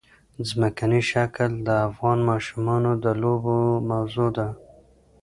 ځمکنی شکل د افغان ماشومانو د لوبو موضوع ده.